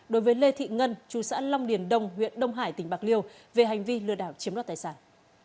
đối với lê thị ngân trù xã long điền đông huyện đông hải tỉnh bạc liêu về hành vi lừa đảo chiếm đoạt tài sản